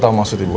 gimana sih nak